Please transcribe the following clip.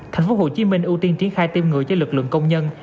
thành phố hồ chí minh ưu tiên triển khai tiêm ngừa cho lực lượng công nhân